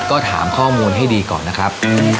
ก็ถามข้อมูลให้ดีก่อนนะครับ